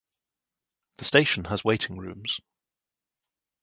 The station has waiting rooms.